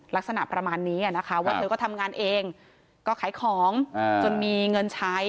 ลักษณะประมาณนี้นะคะว่าเธอก็ทำงานเองก็ขายของจนมีเงินใช้